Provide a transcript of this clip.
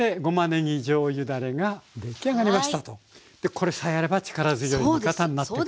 これさえあれば力強い味方になってくれる。